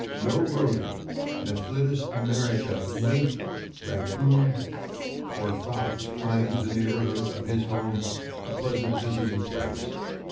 No rodent, Mephitis Americana, mink, raccoon, or fox finds the neighborhood of his home a pleasant visiting place.